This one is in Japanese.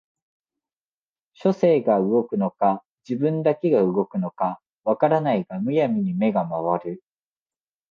書生が動くのか自分だけが動くのか分からないが無闇に眼が廻る